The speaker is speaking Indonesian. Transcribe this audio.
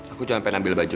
aku sampai ambil baju